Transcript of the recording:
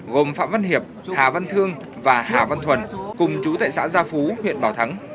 gồm phạm văn hiệp hà văn thương và hà văn thuần cùng chú tại xã gia phú huyện bảo thắng